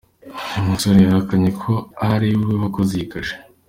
Uyu musore yahakanye ko ari we wakoze iyi kashe.